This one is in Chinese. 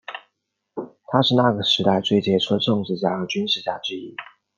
他是那个时代最杰出的政治家和军事家之一。